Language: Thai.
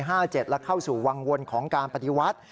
และเข้าสู่วังวลของการปฏิวัติ